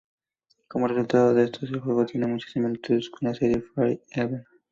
Como resultado de esto, el juego tiene muchas similitudes con la serie "Fire Emblem".